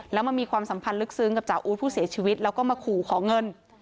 แล้วมามีความสัมพันธ์ลึกซึ้งกับจ่าอู๊ดผู้เสียชีวิตแล้วก็มาขู่ขอเงิน